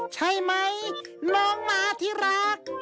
ใช่ไหมน้องหมาที่รัก